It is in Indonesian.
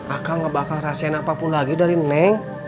akang gak bakal rasain apapun lagi dari neng